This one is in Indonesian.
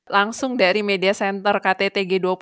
langsung dari media center ktt g dua puluh